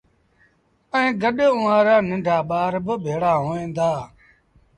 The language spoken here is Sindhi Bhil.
ائيٚݩ گڏ اُئآݩ رآ ننڍآ ٻآر با ڀيڙآ هوئين دآ